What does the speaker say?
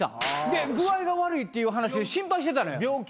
で具合が悪いっていう話で心配してたのよ。